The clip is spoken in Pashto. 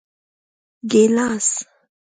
🍒 ګېلاس